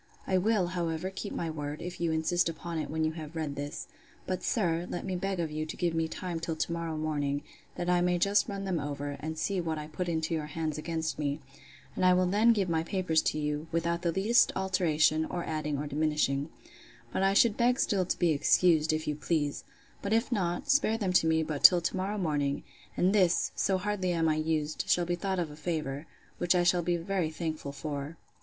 —I will, however, keep my word, if you insist upon it when you have read this; but, sir, let me beg of you to give me time till to morrow morning, that I may just run them over, and see what I put into your hands against me: and I will then give my papers to you, without the least alteration, or adding or diminishing: But I should beg still to be excused, if you please: But if not, spare them to me but till to morrow morning: and this, so hardly am I used, shall be thought a favour, which I shall be very thankful for.